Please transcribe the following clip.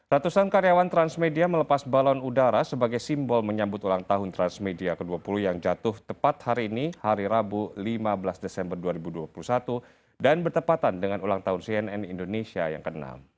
ratusan karyawan transmedia melepas balon udara sebagai simbol menyambut ulang tahun transmedia ke dua puluh yang jatuh tepat hari ini hari rabu lima belas desember dua ribu dua puluh satu dan bertepatan dengan ulang tahun cnn indonesia yang ke enam